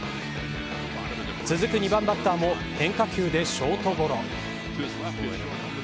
続く２番バッターも変化球でショートゴロ。